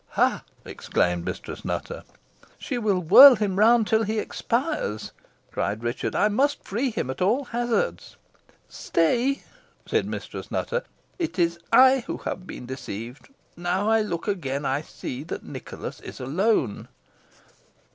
"Ha!" exclaimed Mistress Nutter. "She will whirl him round till he expires," cried Richard; "I must free him at all hazards." "Stay," said Mistress Nutter; "it is I who have been deceived. Now I look again, I see that Nicholas is alone."